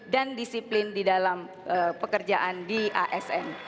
dan disiplin di dalam pekerjaan di asn